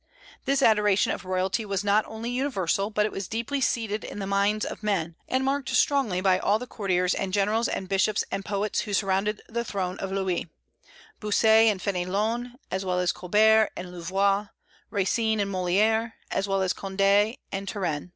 This adoration of royalty was not only universal, but it was deeply seated in the minds of men, and marked strongly all the courtiers and generals and bishops and poets who surrounded the throne of Louis, Bossuet and Fénelon, as well as Colbert and Louvois; Racine and Molière, as well as Condé and Turenne.